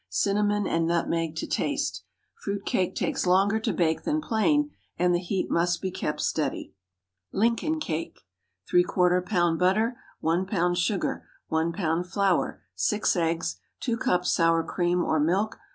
Cinnamon and nutmeg to taste. Fruit cake takes longer to bake than plain, and the heat must be kept steady. LINCOLN CAKE. ¾ lb. butter. 1 lb. sugar. 1 lb. flour. 6 eggs. 2 cups sour cream or milk.